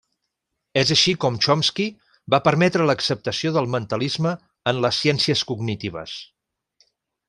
És així com Chomsky va permetre l'acceptació del mentalisme en les ciències cognitives.